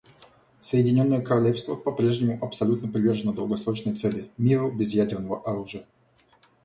Соединенное Королевство по-прежнему абсолютно привержено долгосрочной цели − миру без ядерного оружия.